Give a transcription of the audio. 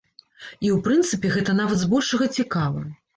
І, у прынцыпе, гэта нават збольшага цікава.